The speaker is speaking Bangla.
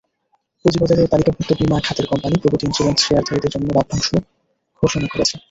পুঁজিবাজারে তালিকাভুক্ত বিমা খাতের কোম্পানি প্রগতি ইনস্যুরেন্স শেয়ারধারীদের জন্য লভ্যাংশ ঘোষণা করেছে।